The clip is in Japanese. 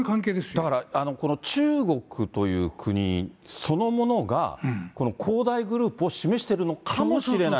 だからこの中国という国そのものが、この恒大グループを示してるのかもしれない。